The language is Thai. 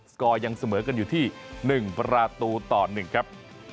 กอร์ยังเสมอกันอยู่ที่๑ประตูต่อ๑ครับ